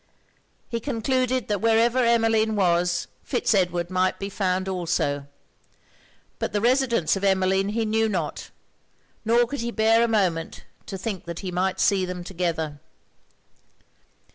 He concluded that wherever Emmeline was, Fitz Edward might be found also; but the residence of Emmeline he knew not, nor could he bear a moment to think that he might see them together.